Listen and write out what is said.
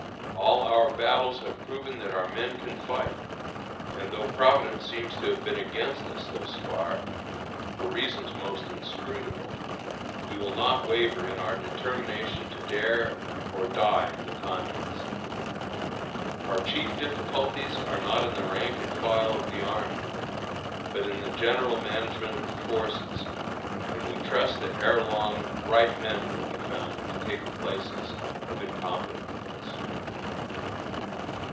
All our battles have proven that our men can fight, and, though Providence seems to have been against us thus far, for reasons most inscrutable, we will not waver in our determination to dare or die in the contest. Our chief difficulties are not in the rank and file of the army, but in the general management of the forces, and we trust that ere long right men will be found to take the places of incompetent ones.